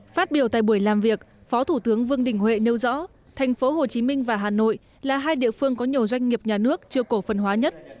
phát biểu tại buổi làm việc phó thủ tướng vương đình huệ nêu rõ thành phố hồ chí minh và hà nội là hai địa phương có nhiều doanh nghiệp nhà nước chưa cổ phần hóa nhất